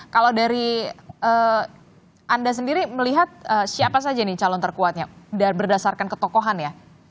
kalau dari anda sendiri melihat siapa saja nih calon terkuatnya berdasarkan ketokohan ya